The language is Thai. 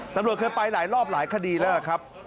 ตำรวจเคยไปหลายรอบหลายคดีแล้วครับ